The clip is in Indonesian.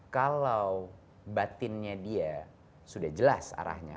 kalau batinnya dia sudah jelas arahnya